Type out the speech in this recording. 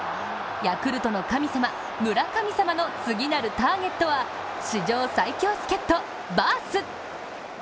ヤクルトの神様、村神様の次なるターゲットは史上最強助っ人・バース！